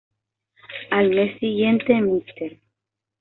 Al mes siguiente, Mr.